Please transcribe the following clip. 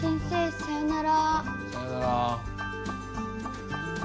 さよなら。